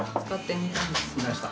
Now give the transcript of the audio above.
煮ました。